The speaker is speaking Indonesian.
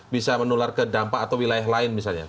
bisa menular ke dampak atau wilayah lain misalnya